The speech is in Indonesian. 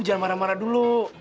jangan marah marah dulu